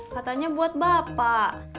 katanya buat bapak